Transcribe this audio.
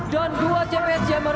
dan dua gps jammer